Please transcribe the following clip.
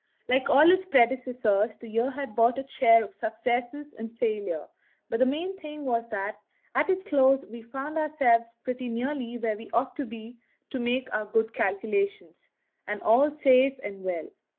Like all its predecessors, the year had brought its share of success and failure; but the main thing was that at its close we found ourselves pretty nearly where we ought to be to make good our calculations and all safe and well.